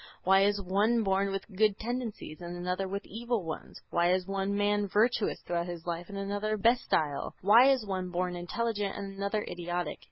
Why is one born with good tendencies and another with evil ones? Why is one man virtuous throughout his life and another bestial? Why is one born intelligent and another idiotic?